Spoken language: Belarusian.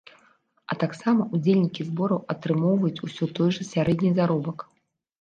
А таксама ўдзельнікі збораў атрымоўваюць усё той жа сярэдні заробак.